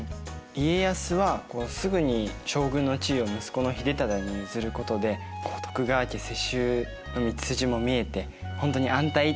家康はすぐに将軍の地位を息子の秀忠に譲ることで徳川家世襲の道筋も見えてほんとに安泰って感じだったよね。